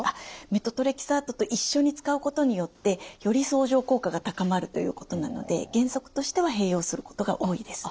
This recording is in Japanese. メトトレキサートと一緒に使うことによってより相乗効果が高まるということなので原則としては併用することが多いです。